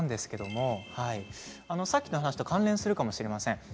さっきの話と関連するかもしれません。